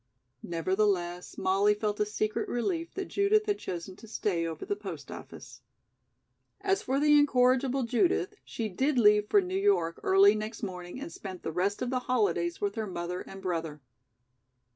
Nevertheless, Molly felt a secret relief that Judith had chosen to stay over the post office. As for the incorrigible Judith, she did leave for New York early next morning and spent the rest of the holidays with her mother and brother.